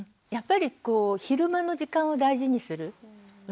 やっぱりこう昼間の時間を大事にする。